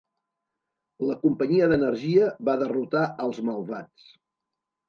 La companyia d'energia va derrotar als malvats.